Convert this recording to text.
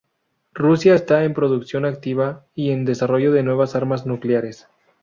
Rusia está en producción activa y en desarrollo de nuevas armas nucleares.